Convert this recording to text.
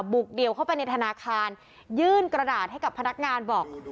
เดี่ยวเข้าไปในธนาคารยื่นกระดาษให้กับพนักงานบอก